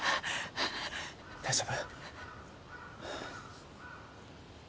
大丈夫？